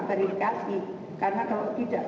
verifikasi karena kalau tidak